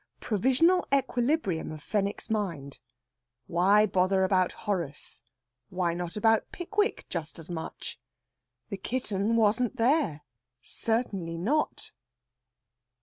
PROVISIONAL EQUILIBRIUM OF FENWICK'S MIND. WHY BOTHER ABOUT HORACE? WHY NOT ABOUT PICKWICK JUST AS MUCH? THE KITTEN WASN'T THERE CERTAINLY NOT!